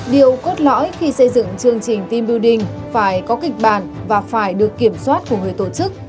điều cốt lõi khi xây dựng chương trình team building phải có kịch bản và phải được kiểm soát của người tổ chức